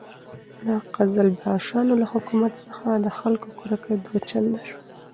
د قزلباشو له حکومت څخه د خلکو کرکه دوه چنده شوه.